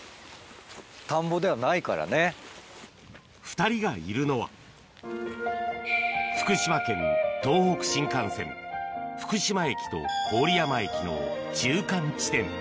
２人がいるのは福島県東北新幹線福島駅と郡山駅の中間地点